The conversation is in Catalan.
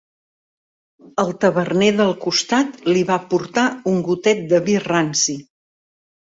El taverner del costat li va portar un gotet de vi ranci